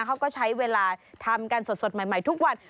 เขาก็ใช้เวลาทำกันสดใหม่ทุกวัน